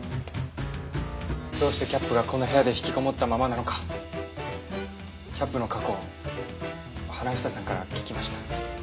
どうしてキャップがこの部屋でひきこもったままなのかキャップの過去を花房さんから聞きました。